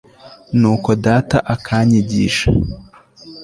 nuko data akanyigisha